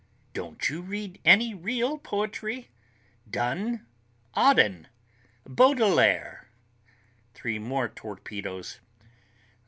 "Don't you read any real poetry? Donne? Auden? Baudelaire?" Three more torpedoes.